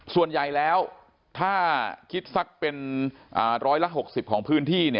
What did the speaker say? ส่วนใหญ่แล้วถ้าคิดสักเป็น๑๖๐ของพื้นที่